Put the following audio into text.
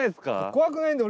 怖くないんだ。